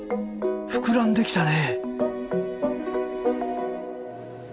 膨らんできたね。